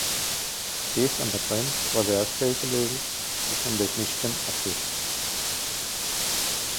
Sie ist an der Grand Traverse Bay gelegen, die vom Lake Michigan abgeht.